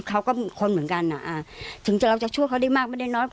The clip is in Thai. เขาก็คนเหมือนกันถึงจะเราจะช่วยเขาได้มากไม่ได้น้อยกว่า